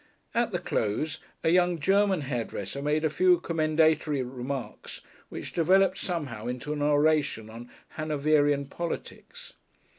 At the close a young German hairdresser made a few commendatory remarks which developed somehow into an oration on Hanoverian politics.